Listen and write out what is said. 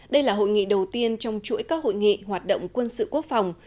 đây là hội nghị đầu tiên trong chuỗi các hội nghị hoạt động quân sự quốc phòng